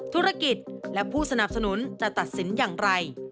ธุรกิจและผู้สนับสนุนจะตัดสินอย่างไร